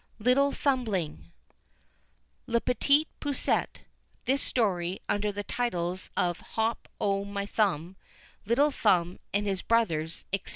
LITTLE THUMBLING. Le Petit Poucet. This story, under the titles of Hop o' my Thumb, Little Thumb and his Brothers, &c.